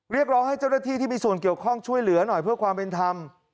เรียกร้องให้เจ้าหน้าที่ที่มีส่วนเกี่ยวข้องช่วยเหลือหน่อยเพื่อความเป็นธรรม